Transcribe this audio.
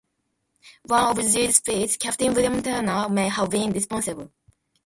One of these spies, Captain William Turner, may have been responsible.